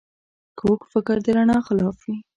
کوږ فکر د رڼا خلاف وي